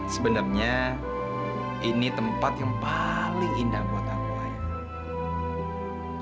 sebenarnya ini tempat yang paling indah buat aku ayah